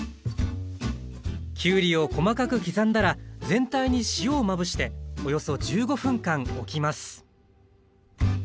きゅうりを細かく刻んだら全体に塩をまぶしておよそ１５分間おきます